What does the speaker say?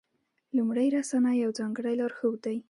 لومړۍ رساله یو ځانګړی لارښود دی.